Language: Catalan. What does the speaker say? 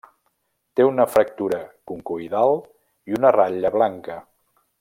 Té una fractura concoidal i una ratlla blanca.